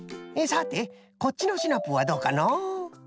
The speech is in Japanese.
さてこっちのシナプーはどうかのう？